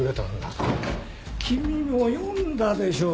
君も読んだでしょ